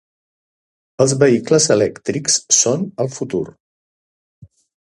Els vehicles elèctrics són el futur.